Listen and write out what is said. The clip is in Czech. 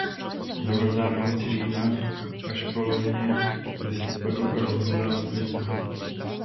Zamrzá na konci října až v polovině listopadu a rozmrzá v květnu.